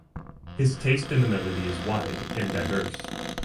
His taste in the melody is wide and diverse.